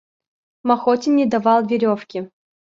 Махотин не давал веревки.